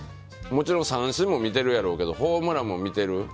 もちろん、三振も見てるけどホームランも見てる。